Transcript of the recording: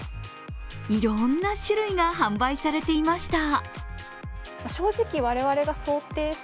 いろんな種類が販売されていました。